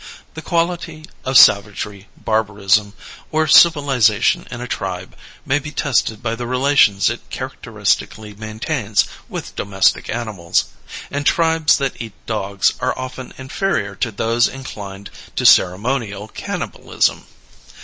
The quality of savagery, barbarism, or civilization in a tribe may be tested by the relations it characteristically maintains with domestic animals; and tribes that eat dogs are often inferior to those inclined to ceremonial cannibalism.